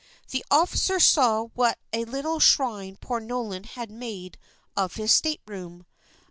The officer saw what a little shrine poor Nolan had made of his stateroom.